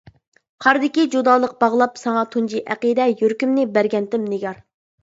قاردىكى جۇدالىق باغلاپ ساڭا تۇنجى ئەقىدە، يۈرىكىمنى بەرگەنتىم نىگار.